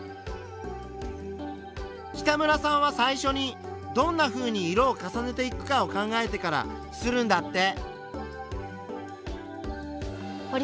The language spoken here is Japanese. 北村さんは最初にどんなふうに色を重ねていくかを考えてから刷るんだって。